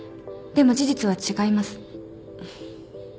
でも事実は違います。